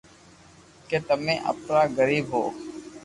ڪي تمي ايتا غريب ھون